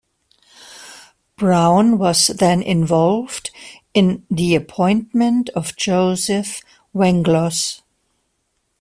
Brown was then involved in the appointment of Josef Venglos.